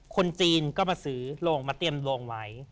คนจีนก็มาซื้อโรงมาเตรียมโรงไว้